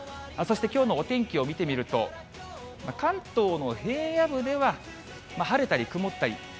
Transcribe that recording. そしてきょうのお天気を見てみると、関東の平野部では、晴れたり曇ったり。